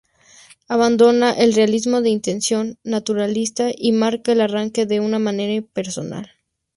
Abandona el realismo de intención naturalista y marca el arranque de una manera personal.